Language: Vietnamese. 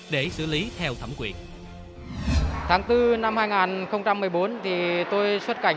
để xử lý tình hình